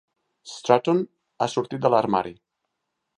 Stratton ha sortit de l'armari.